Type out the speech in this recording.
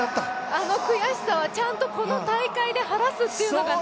あの悔しさはちゃんとこの大会で晴らすっていうね。